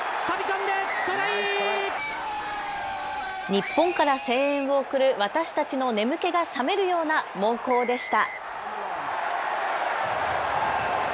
日本から声援を送る私たちの眠気が覚めるような猛攻でした。